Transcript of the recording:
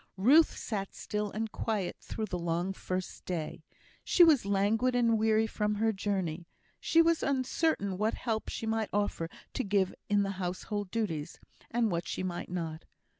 Ruth sat still and quiet through the long first day. She was languid and weary from her journey; she was uncertain what help she might offer to give in the household duties, and what she might not.